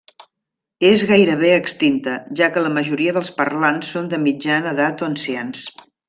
És gairebé extinta, ja que la majoria dels parlants són de mitjana edat o ancians.